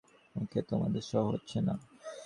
ওকে তোমাদের সহ্য হচ্ছে না।